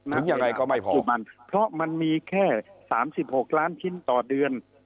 ถึงอย่างไรก็ไม่พอเพราะมันมีแค่สามสิบหกล้านชิ้นต่อเดือน